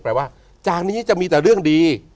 ว่าจากนี้จะมีแต่เรื่องดี